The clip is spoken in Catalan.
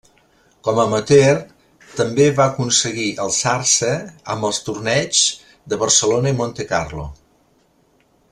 Com a amateur també va aconseguir alçar-se amb els torneigs de Barcelona i Montecarlo.